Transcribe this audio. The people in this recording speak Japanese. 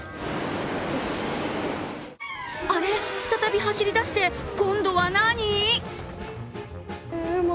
あれっ、再び走りだして、今度は何？